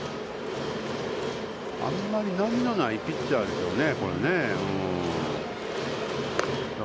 あんまり波のないピッチャーですよね。